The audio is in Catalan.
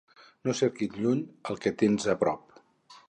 No cerquis lluny el que tens a prop.